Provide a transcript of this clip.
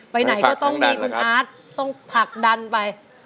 ไปไหนก็ต้องมีคุณอาร์ตต้องผลักดันไป